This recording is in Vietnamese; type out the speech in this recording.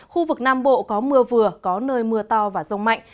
khu vực nam bộ có mưa vừa có nơi mưa to và rông mạnh